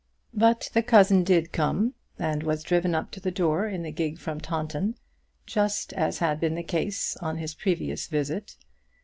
But the cousin did come, and was driven up to the door in the gig from Taunton, just as had been the case on his previous visit.